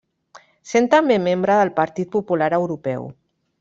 Sent també membre del Partit Popular Europeu.